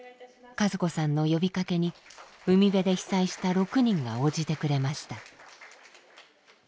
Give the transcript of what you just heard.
和子さんの呼びかけに海辺で被災した６人が応じてくれました。